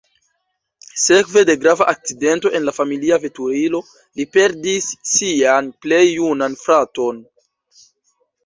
Sekve de grava akcidento en la familia veturilo, li perdis sian plej junan fraton.